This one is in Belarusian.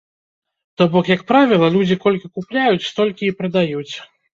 То бок, як правіла, людзі колькі купляюць, столькі і прадаюць.